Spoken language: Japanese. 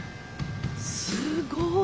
すごい。お。